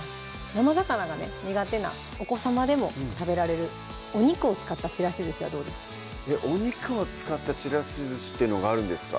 生魚がね苦手なお子さまでも食べられるお肉を使ったちらしずしはどうでしょうお肉を使ったちらしずしってのがあるんですか？